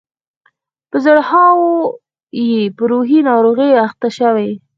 په زرهاوو یې په روحي ناروغیو اخته شوي.